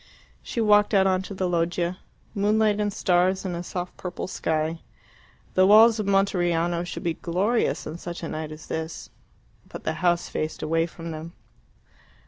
She walked out on to the loggia. Moonlight and stars in a soft purple sky. The walls of Monteriano should be glorious on such a night as this. But the house faced away from them.